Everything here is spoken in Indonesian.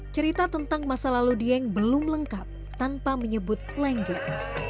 cerita tentang masa lalu dieng belum lengkap tanpa menyebut lengger